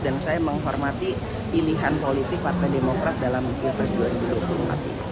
dan saya menghormati pilihan politik partai demokrat dalam tahun dua ribu dua puluh empat